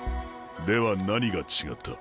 では何が違った？